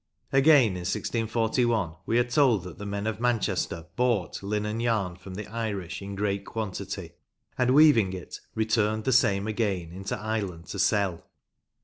Again, in 1641 we are told that the men of Manchester bought linen yarn from the Irish in great quantity, and, weaving it, returned the same again into Ireland to sell.